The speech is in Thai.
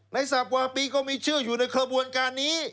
นายสับกว่าปีก็มีชื่ออยู่ในกระบวนการนี้